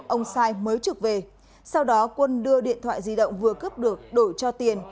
ông sai mới trực về sau đó quân đưa điện thoại di động vừa cướp được đổi cho tiền